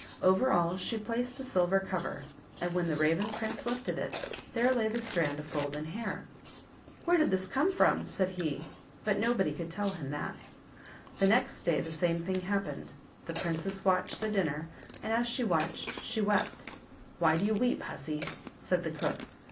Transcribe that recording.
Over all she placed a silver cover, and when the Raven prince lifted it there lay the strand of golden hair. " Where did this come from ?" said he. But nobody could tell him that. The next day the same thing happened; the princess watched the dinner, and as she watched she wept. "Why do you weep, hussy?" said the cook.